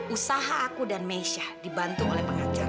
usaha aku dan mesya dibantu oleh pengacar